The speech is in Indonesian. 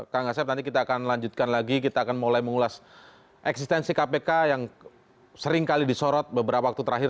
kang asep nanti kita akan lanjutkan lagi kita akan mulai mengulas eksistensi kpk yang seringkali disorot beberapa waktu terakhir